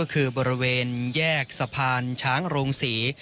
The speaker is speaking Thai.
ก็คือบริเวณแยกสะพานช้างโรงศรี